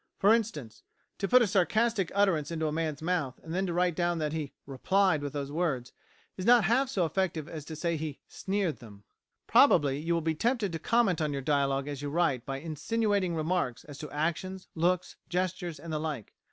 For instance, to put a sarcastic utterance into a man's mouth, and then to write down that he "replied" with those words is not half so effective as to say he "sneered" them.[93:A] Probably you will be tempted to comment on your dialogue as you write by insinuating remarks as to actions, looks, gestures, and the like.